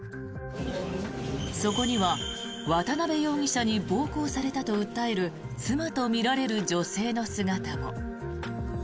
そこには渡邉容疑者に暴行されたと訴える妻とみられる女性の姿も。